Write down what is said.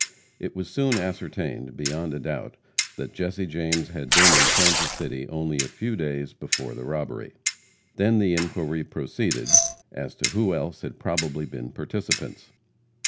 It was soon ascertained beyond a doubt that Jesse James had been in Kansas City only a few days before the robbery. Then the inquiry proceeded as to who else had probably been participants.